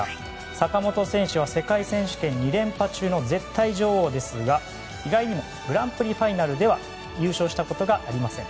坂本選手は世界選手権２連覇中の絶対女王ですが意外にもグランプリファイナルでは優勝したことがありません。